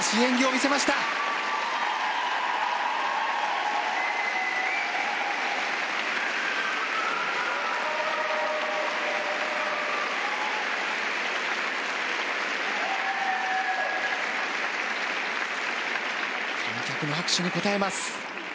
観客の拍手に応えます。